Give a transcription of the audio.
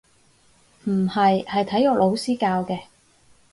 唔係，係體育老師教嘅